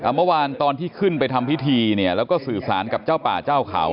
เมื่อวานตอนที่ขึ้นไปทำพิธีเนี่ยแล้วก็สื่อสารกับเจ้าป่าเจ้าเขา